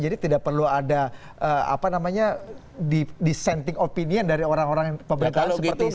ya perlu ada apa namanya dissenting opinion dari orang orang yang pemerintah seperti sekarang terjadi